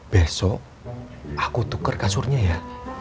besok aku tuker kasurnya ya